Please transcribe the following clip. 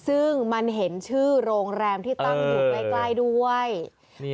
ซึ่งมันเห็นชื่อโรงแรมที่ตั้งอยู่ใกล้ใกล้ด้วยอืม